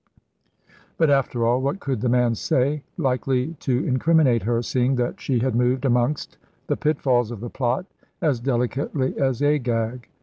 But, after all, what could the man say likely to incriminate her, seeing that she had moved amongst the pitfalls of the plot as delicately as Agag?